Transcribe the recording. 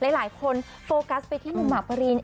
หลายคนโฟกัสไปที่หนุ่มหมากปริน